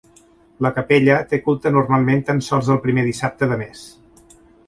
La capella té culte normalment tan sols el primer dissabte de mes.